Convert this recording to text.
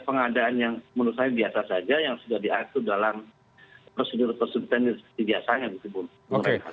pengadaan yang menurut saya biasa saja yang sudah diatur dalam prosedur prosedur tender yang biasanya disubun